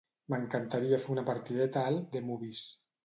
M'encantaria fer una partideta al "The movies".